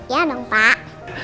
ya dong pak